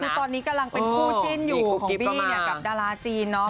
คือตอนนี้กำลังเป็นคู่จิ้นอยู่ของบี้เนี่ยกับดาราจีนเนาะ